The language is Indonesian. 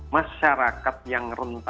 masyarakat yang rentan